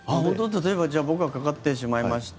例えば僕がかかってしまいました